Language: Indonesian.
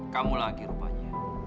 kamu lagi rupanya